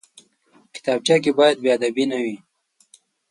کتابچه کې باید بېادبي نه وي